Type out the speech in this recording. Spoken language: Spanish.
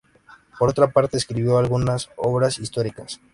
Por otra parte, escribió algunas obras históricas.